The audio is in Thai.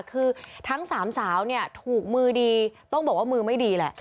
คือทั้งสามสาวเนี่ยถูกมือดีต้องบอกว่ามือไม่ดีแหละ